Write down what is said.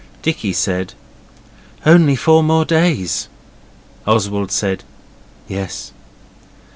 Dicky said 'Only four more days.' Oswald said, 'Yes.